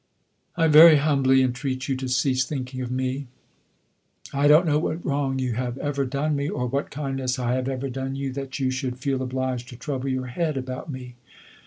I very humbly entreat you to cease thinking of me. I don't know what wrong you have ever done me, or what kindness I have ever done you, that you should feel obliged to trouble your head about me.